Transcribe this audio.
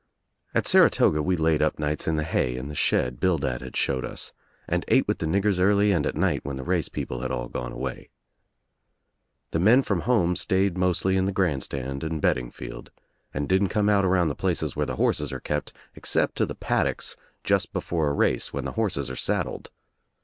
At Saratoga we laid 'ip nights in the hay in the shed Bildad had showed us and ate with the niggers early and at night when the race people had all gone away. The men from home stayed mostly in the grandstand and betting field, and didn't come out around the places where the horses are kept except to the pad docks just before a race when the horses are saddled.